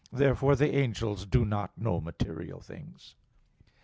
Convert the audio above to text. Therefore the angels do not know material things.